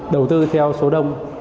đầu tư theo số đầu tư